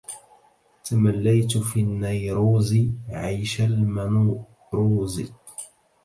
تمليت في النيروز عيش المنورز